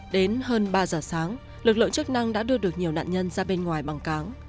đến hơn ba giờ sáng lực lượng chức năng đã đưa được nhiều nạn nhân ra bên ngoài bằng cáng